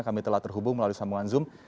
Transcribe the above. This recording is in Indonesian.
kami telah terhubung melalui sambungan zoom